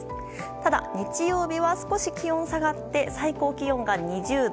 ただ日曜日は少し気温下がって最高気温が２０度。